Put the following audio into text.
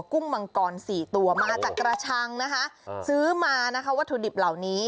กุ้งมังกรสี่ตัวมาจากกระชังนะคะซื้อมานะคะวัตถุดิบเหล่านี้